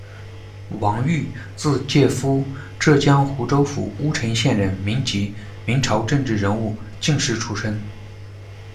王豫，字介夫，浙江湖州府乌程县人，民籍，明朝政治人物、进士出身。